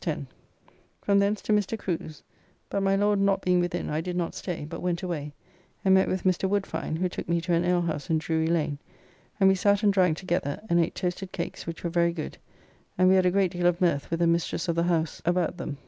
10.) From thence to Mr. Crew's, but my Lord not being within I did not stay, but went away and met with Mr. Woodfine, who took me to an alehouse in Drury Lane, and we sat and drank together, and ate toasted cakes which were very good, and we had a great deal of mirth with the mistress of the house about them.